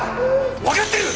わかってる！